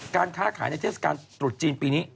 การค้าขายในเทศกาลตรุษจีนปีนี้